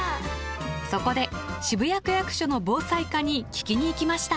そこで渋谷区役所の防災課に聞きに行きました。